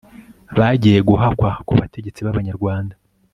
bagiye guhakwa ku bategetsi b'abanyarwanda